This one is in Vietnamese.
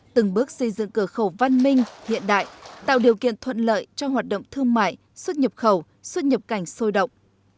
từng bước xây dựng cửa khẩu văn minh hiện đại tạo điều kiện thuận lợi cho hoạt động thương mại xuất nhập khẩu xuất nhập cảnh sôi động